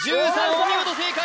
お見事正解！